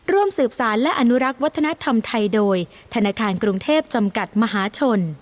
ร่วมสืบสารและอนุรักษ์วัฒนธรรมไทยโดยธนาคารกรุงเทพจำกัดมหาชน